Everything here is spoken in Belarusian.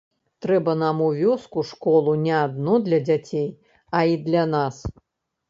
Трэба нам у вёску школу не адно для дзяцей, а і для нас.